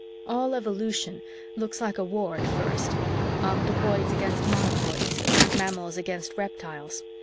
"All evolution looks like a war at first octopoids against monopoids, mammals against reptiles.